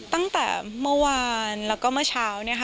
ตั้งแต่เมื่อวานแล้วก็เมื่อเช้า